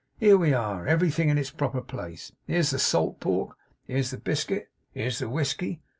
Here we are. Everything in its proper place. Here's the salt pork. Here's the biscuit. Here's the whiskey.